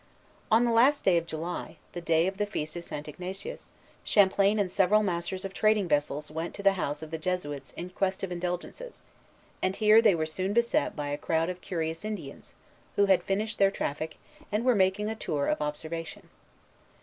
On the last of July, the day of the feast of St. Ignatius, Champlain and several masters of trading vessels went to the house of the Jesuits in quest of indulgences; and here they were soon beset by a crowd of curious Indians, who had finished their traffic, and were making a tour of observation.